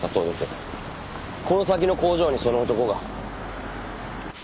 この先の工場にその男が。